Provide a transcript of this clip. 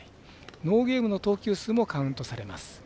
ノーゲームの投球数もカウントされます。